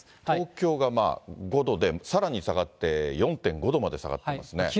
東京が５度で、さらに下がって４．５度まで下がっていますね。